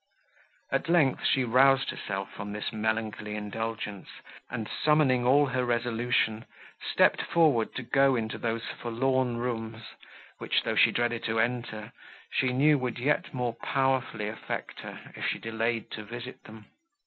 At length, she roused herself from this melancholy indulgence, and, summoning all her resolution, stepped forward to go into those forlorn rooms, which, though she dreaded to enter, she knew would yet more powerfully affect her, if she delayed to visit them.